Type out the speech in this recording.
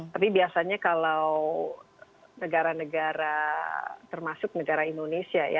tapi biasanya kalau negara negara termasuk negara indonesia ya